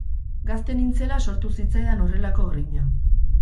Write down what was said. Gazte nintzela sortu zitzaidan horrelako grina.